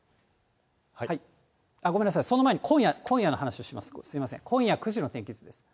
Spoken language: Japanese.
ごめんなさい、その前に今夜の話をします、すみません、今夜９時の天気図です。